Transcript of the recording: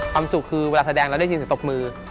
ความสุขคือเวลาแสดงแล้วได้ยินเสียงตบมือ